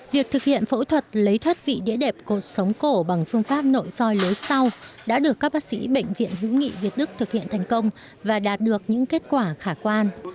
việc thực hiện phẫu thuật lấy thất vị địa đẹp cột sống cổ bằng phương pháp nội soi lối sau đã được các bác sĩ bệnh viện hữu nghị việt đức thực hiện thành công và đạt được những kết quả khả quan